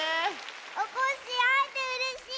おこっしぃあえてうれしい。